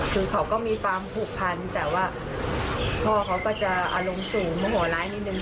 คือเขาก็มีความผูกพันแต่ว่าพ่อเขาก็จะอารมณ์สูงโมโหร้ายนิดนึง